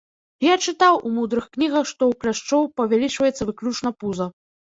Я чытаў у мудрых кнігах, што ў кляшчоў павялічваецца выключна пуза.